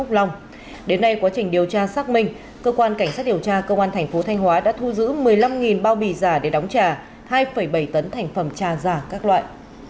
trong quá trình điều tra xác minh cơ quan cảnh sát điều tra cơ quan thành phố thanh hóa đã thu giữ một mươi năm bao bì giả để đóng trà hai bảy tấn thành phẩm trà giả các loại